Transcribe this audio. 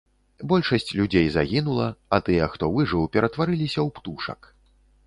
Большасць людзей загінула, а тыя, хто выжыў, ператварыліся ў птушак.